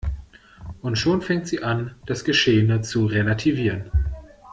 Und schon fängt sie an, das Geschehene zu relativieren.